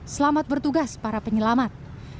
selamat bertugas para penyelamat